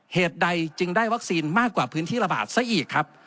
เหตุใดจึงได้วัคซีนมากกว่าพื้นที่ระบาดซะอีกครับ